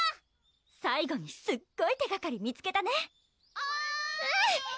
最後にすっごい手がかり見つけたねうん！